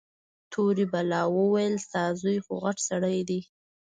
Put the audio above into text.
تورې بلا وويل ستا زوى خوغټ سړى دى.